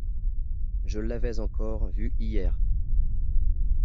Je l'avais encore vu hier.